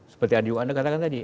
seperti adik adik anda katakan tadi